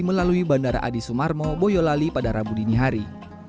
melalui bandara adi sumarmo boyolali pada rabu dini hari